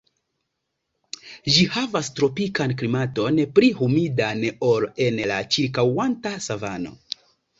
Ĝi havas tropikan klimaton, pli humidan ol en la ĉirkaŭanta savano.